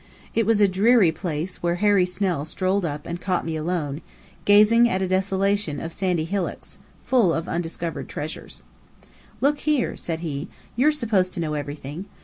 It was a dreary place where Harry Snell strolled up and caught me alone, gazing at a desolation of sandy hillocks, full of undiscovered treasure. "Look here," said he. "You're supposed to know everything.